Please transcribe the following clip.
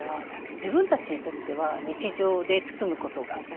自分たちにとっては日常で包むことが。